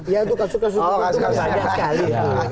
ya itu kasut kasutnya